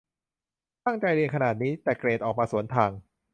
ตั้งใจเรียนขนาดนี้ แต่เกรดออกมาสวนทาง